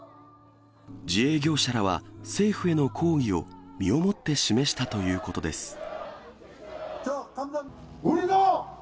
自営業者らは、政府への抗議を身をもって示したということです。